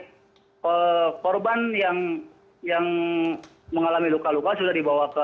korban yang mengalami luka luka sudah dibawa ke